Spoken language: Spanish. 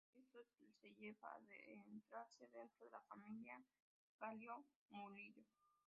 Esto le lleva a adentrarse dentro de la familia Gaxiola-Murillo.